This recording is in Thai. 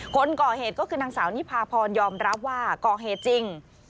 คนก่อเหตุก็คือนางสาวนิพาพรยอมรับว่าก่อเหตุจริง